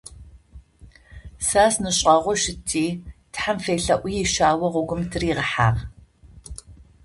Сас ны шӏагъоу щытыти, тхьэм фелъэӏуи ишъао гъогум тыригъэхьагъ.